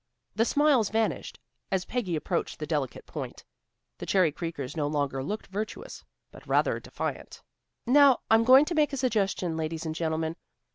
The smiles vanished as Peggy approached the delicate point. The Cherry Creekers no longer looked virtuous, but rather defiant. "Now, I'm going to make a suggestion, Ladies and Gentlemen.